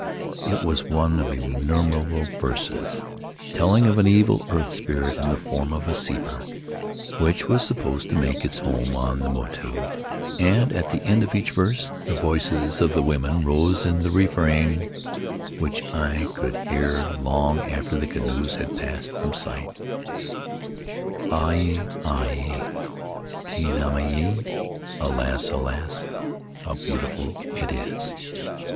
It was one of innumerable verses, telling of an evil earth spirit in the form of a sea bird which was supposed to make its home on the motu, and at the end of each verse the voices of the women rose in the refrain which I could hear long after the canoes had passed from sight: "Auel Auc'J Te nehenehe el" ("Alas! Alas! How beautiful it is!")